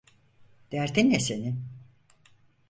Derdin ne senin?